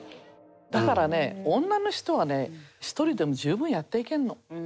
だからね女の人はね１人でも十分やっていけるの。